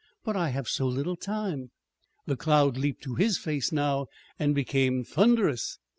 "But I have so little time!" The cloud leaped to his face now and became thunderous.